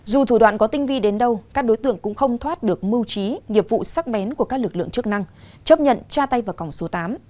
dù thủ đoạn có tinh vi đến đâu các đối tượng cũng không thoát được mưu trí nghiệp vụ sắc bén của các lực lượng chức năng chấp nhận tra tay vào còng số tám